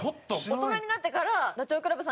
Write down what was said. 大人になってから知った。